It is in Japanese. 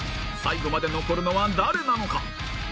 最後まで残るのは誰なのか？